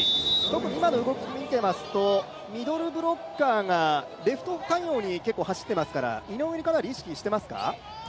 今の動きを見てますと、ミドルブロッカーがレフト対応に走っていますから井上にかなり意識していますか。